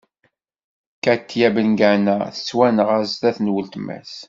Katya Bengana tettwanɣa zdat n weltma-s.